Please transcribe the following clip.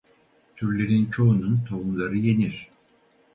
Türlerin çoğunun tohumları yenir.